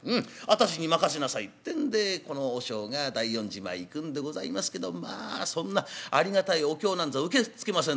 私に任せなさい」ってんでこの和尚が大音寺前行くんでございますけどもまあそんなありがたいお経なんぞ受け付けません